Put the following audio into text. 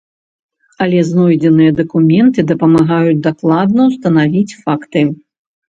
Але знойдзеныя дакументы дапамагаюць дакладна ўстанавіць факты.